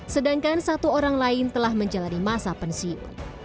sedangkan satu orang lain telah menjalani masa pensiun